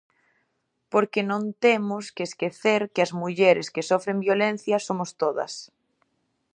Porque non temos que esquecer que as mulleres que sofren violencia somos todas.